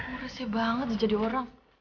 beresnya banget jadi orang